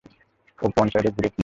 ও porn সাইটে ঘুরে কী?